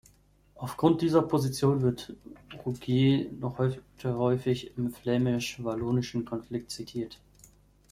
Aufgrund dieser Position wird Rogier noch heute häufig im flämisch-wallonischen Konflikt zitiert.